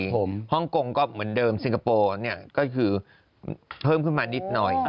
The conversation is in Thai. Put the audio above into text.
ฮ่องกงก็เหมือนเดิมซิงคโปร์เนี่ยก็คือเพิ่มขึ้นมานิดหน่อย